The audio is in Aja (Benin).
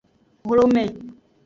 Hlome.